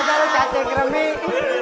bisa aja loh catnya kremik